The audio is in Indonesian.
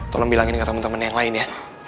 tolong bilangin ke temen temen yang lain ya